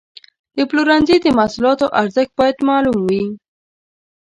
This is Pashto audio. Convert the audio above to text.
د پلورنځي د محصولاتو ارزښت باید معلوم وي.